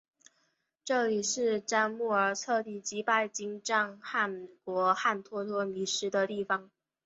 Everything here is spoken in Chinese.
这里是帖木儿彻底击败金帐汗国汗脱脱迷失的地方。